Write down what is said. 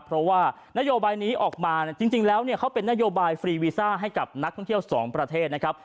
เพราะว่านโยบายนี้ออกมาจริงแล้วเนี่ยเขาเป็นนโยบายฟรีวีซ่าให้กับนักท่องเที่ยวสองประเทศนะครับ